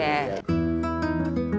ketika menunggu kakaknya merasa takut